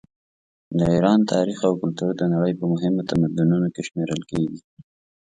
د ایران تاریخ او کلتور د نړۍ په مهمو تمدنونو کې شمېرل کیږي.